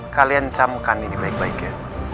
kalian camkan ini baik baik ya